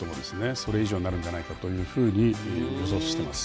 それ以上になるんじゃないかというふうに予想してます。